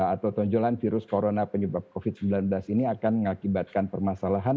atau tonjolan virus corona penyebab covid sembilan belas ini akan mengakibatkan permasalahan